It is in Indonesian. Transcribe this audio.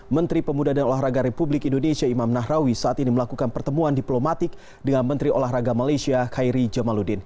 menteri pemuda dan olahraga republik indonesia imam nahrawi saat ini melakukan pertemuan diplomatik dengan menteri olahraga malaysia khairi jamaludin